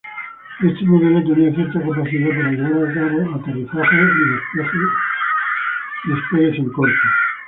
Este modelo tenía cierta capacidad para llevar a cabo aterrizajes y despegues en corto.